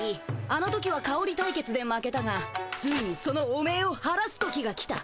あの時はかおり対決で負けたがついにそのおめいを晴らす時が来た。